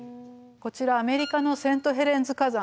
こちらアメリカのセントヘレンズ火山